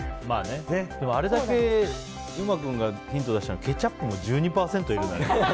でも、あれだけ優馬君がヒント出したのにケチャップも１２％いる。